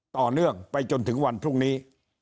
ต่อเนื่องไปจนถึงวันพรุ่งนี้